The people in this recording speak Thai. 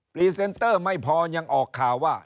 รีเซนเตอร์ไม่พอยังออกข่าวว่า